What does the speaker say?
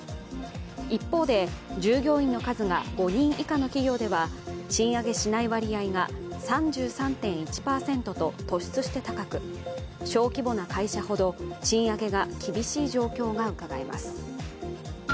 一方で、従業員の数が５人以下の企業では賃上げしない割合が３３．１％と突出して高く小規模な会社ほど、賃上げが厳しい状況がうかがえます。